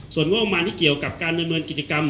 ส่วนงบประมาณที่เกี่ยวกับการดำเนินกิจกรรม